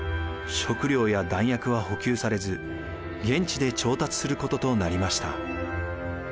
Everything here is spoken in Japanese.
食糧や弾薬は補給されず現地で調達することとなりました。